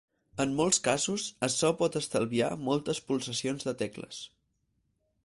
En molts casos, açò pot estalviar moltes pulsacions de tecles.